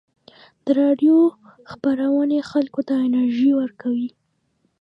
د راډیو خپرونې خلکو ته انرژي ورکوي.